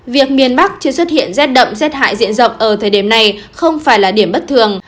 việc miền bắc chưa xuất hiện rét đậm rét hại diện rộng ở thời điểm này không phải là điểm bất thường